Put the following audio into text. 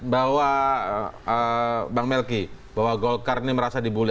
bahwa bang melki bahwa golkar ini merasa di bully